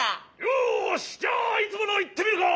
よしじゃあいつものいってみるか！